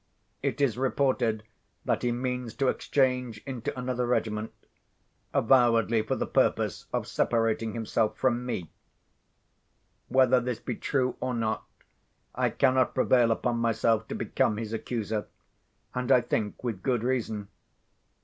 It is reported that he means to exchange into another regiment, avowedly for the purpose of separating himself from me. Whether this be true or not, I cannot prevail upon myself to become his accuser—and I think with good reason.